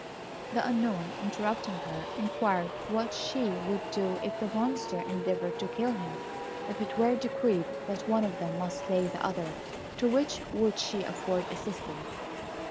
The Unknown, interrupting her, inquired what she would do if the Monster endeavoured to kill him; and, if it were decreed that one of them must slay the other, to which would she afford assistance?